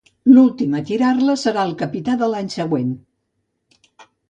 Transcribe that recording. L'últim a tirar-la serà el capità de l'any següent.